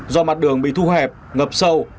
do mặt đường bị thu hẹp ngập sầu